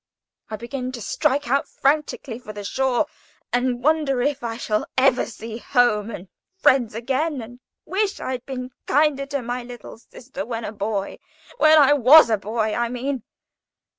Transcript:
I begin to strike out frantically for the shore, and wonder if I shall ever see home and friends again, and wish I'd been kinder to my little sister when a boy (when I was a boy, I mean).